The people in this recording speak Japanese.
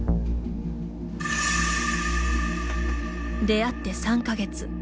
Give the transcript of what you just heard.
出会って３か月。